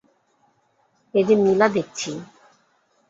এ যে নীলা দেখছি।